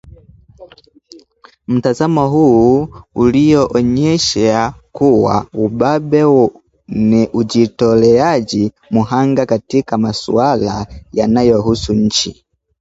Mtazamo huu ulionyesha kuwa ubabe ni ujitoleaji mhanga katika maswala yanayohusu nchi